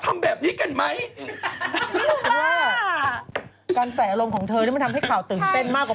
กลางตลาดเปิดคลิปโป้งให้ดูแล้วพูดว่า